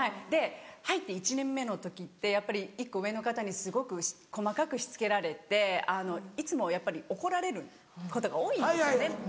で入って１年目の時ってやっぱり１個上の方にすごく細かくしつけられていつもやっぱり怒られることが多いんですよね。